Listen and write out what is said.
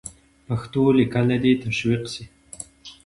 پښتو لیکنه دې تشویق سي.